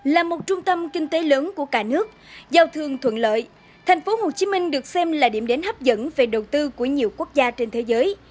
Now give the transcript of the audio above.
là một trung tâm kinh tế lớn của cả nước giao thương thuận lợi thành phố hồ chí minh được xem là điểm đến hấp dẫn về đầu tư của nhiều quốc gia trên thế giới